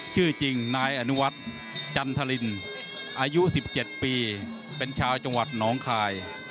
ชื่อจริงนายอนุวัฒน์จันทรินอายุ๑๗ปีเป็นชาวจังหวัดน้องคาย